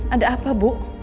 ada apa bu